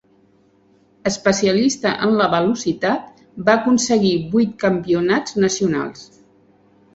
Especialista en la Velocitat, va aconseguir vuit campionats nacionals.